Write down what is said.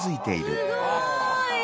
すごい。